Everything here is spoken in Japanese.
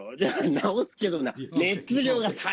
治すけどな。